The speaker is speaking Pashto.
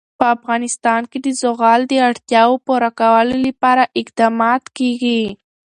په افغانستان کې د زغال د اړتیاوو پوره کولو لپاره اقدامات کېږي.